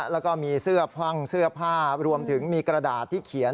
แล้วก็มีเสื้อพรั่งเสื้อผ้ารวมถึงมีกระดาษที่เขียน